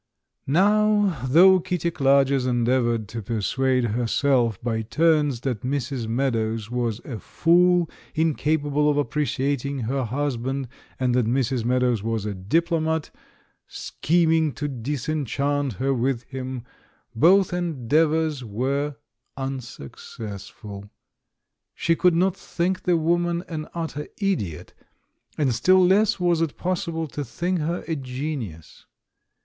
Now, though Kitty Clarges endeavoured to persuade herself by turns that Mrs. Meadows was a fool incapable of appreciating her husband, and that Mrs. Meadows was a diplomat scheming to disenchant her with him, both endeavours were unsuccessful. She could not think the woman an utter idiot, and still less was it possible to think her a genius.